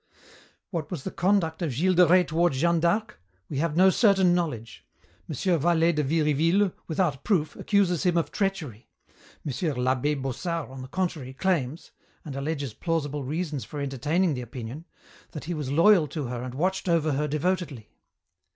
"What was the conduct of Gilles de Rais toward Jeanne d'Arc? We have no certain knowledge. M. Vallet de Viriville, without proof, accuses him of treachery. M. l'abbé Bossard, on the contrary, claims and alleges plausible reasons for entertaining the opinion that he was loyal to her and watched over her devotedly.